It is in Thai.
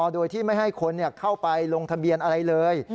โดยที่ไม่ให้คนเข้าไปลงทะเบียนอะไรเลย